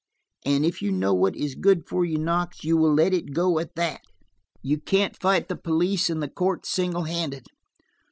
And if you know what is good for you, Knox, you will let it go at that. You can't fight the police and the courts single handed.